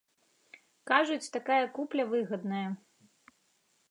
Кажуць, такая купля выгадная.